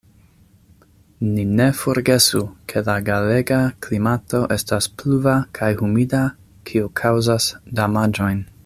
Ni ne forgesu, ke la galega klimato estas pluva kaj humida, kio kaŭzas damaĝojn.